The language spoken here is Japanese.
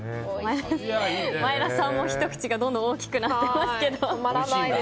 前田さんもひと口がどんどん大きくなっていますが。